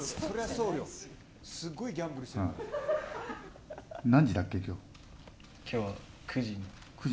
すっごいギャンブルしてる。